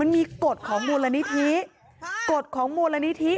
เป็นทีมข่าวของเราว่ามีกฏของมวลนิธิ